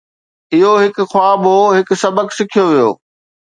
اهو هڪ خواب هو، هڪ سبق سکيو ويو